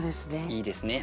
いいですね。